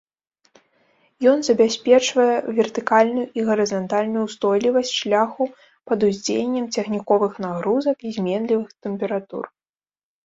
Ён забяспечвае вертыкальную і гарызантальную ўстойлівасць шляху пад уздзеяннем цягніковых нагрузак і зменлівых тэмператур.